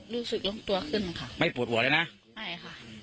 รู้สึกล้มตัวขึ้นค่ะไม่ปวดหัวเลยนะไม่ค่ะ